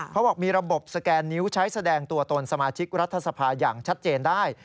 เขาบอกมีระบบสแกนนิ้วใช้แสดงตัวตนสมาชิกรัฐสภาอย่างชัดเจนได้